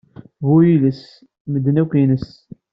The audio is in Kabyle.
Bu yiles, medden akk ines.